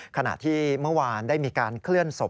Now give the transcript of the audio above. ขณะที่เมื่อวานได้มีการเคลื่อนศพ